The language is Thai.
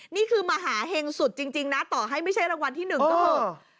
นี่คือมหาเห็งสุดจริงนะต่อให้ไม่ใช่รางวัลที่หนึ่งก็คือ